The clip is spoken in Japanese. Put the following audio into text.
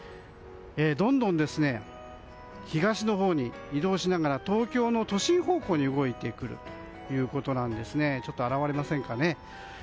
どんどん東のほうに移動しながら東京の都心方向に動いてくるということなんです。